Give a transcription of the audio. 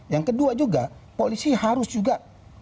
yang kedua juga polisi harus juga